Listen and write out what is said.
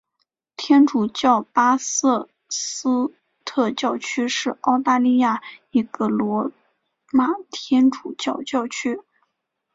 天主教巴瑟斯特教区是澳大利亚一个罗马天主教教区。